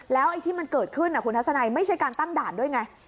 แล้วไอ้ที่มันเกิดขึ้นคุณทัศนัยไม่ใช่การตั้งด่านด้วยไง